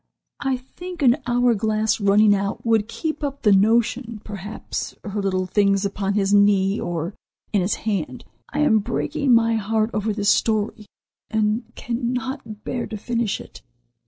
I think an hour glass running out would keep up the notion; perhaps her little things upon his knee or in his hand. I am breaking my heart over this story, and cannot bear to finish it."